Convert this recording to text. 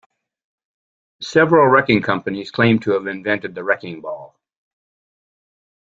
Several wrecking companies claim to have invented the wrecking ball.